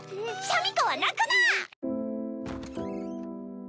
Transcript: シャミ子は泣くな！